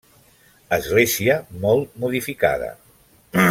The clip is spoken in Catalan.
Església molt modificada.